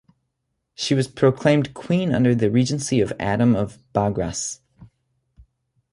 She was proclaimed queen under the regency of Adam of Baghras.